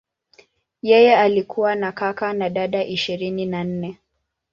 Yeye alikuwa na kaka na dada ishirini na nne.